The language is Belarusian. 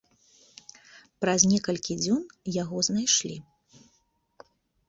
Праз некалькі дзён яго знайшлі.